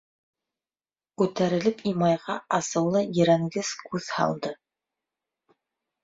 Күтәрелеп Имайға асыулы ерәнгес күҙ һалды.